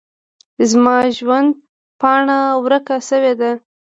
زما پیژند پاڼه ورکه سویده